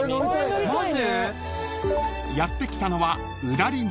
［やって来たのは］